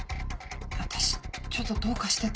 私ちょっとどうかしてた。